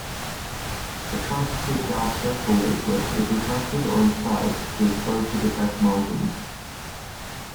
The tricuspid valve septal leaflet is retracted or incised to expose the defect margins.